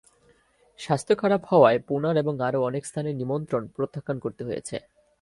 স্বাস্থ্য খারাপ হওয়ায় পুণার এবং আরও অনেক স্থানের নিমন্ত্রণ প্রত্যাখ্যান করতে হয়েছে।